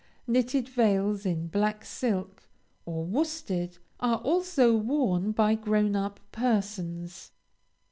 Knitted veils in black silk or worsted are also worn by grown up persons.